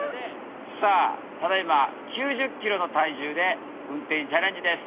さあただいま９０ｋｇの体重でうんていにチャレンジです。